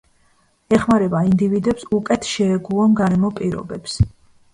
ეხმარება ინდივიდებს უკეთ შეეგუონ გარემო პირობებს.